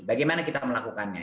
bagaimana kita melakukannya